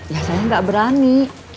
ya saya enggak berani